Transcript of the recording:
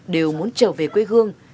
đều muốn trở về quê hương